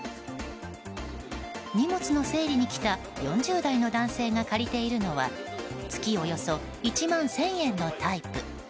荷物の整理に来た４０代の男性が借りているのは月およそ１万１０００円のタイプ。